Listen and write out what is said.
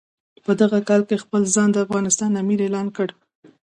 په دغه کال هغه خپل ځان د افغانستان امیر اعلان کړ.